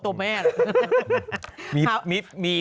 โฮโฮตัวแม่